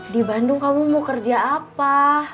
di bandung kamu mau kerja apa